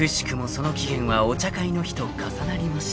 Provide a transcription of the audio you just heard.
その期限はお茶会の日と重なりまして］